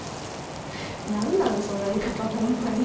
何なんその言い方ホンマに。